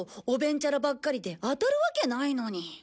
おべんちゃらばっかりで当たるわけないのに。